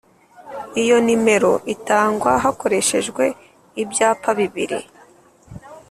iyo nimero itangwa hakoreshejwe ibyapa bibiri.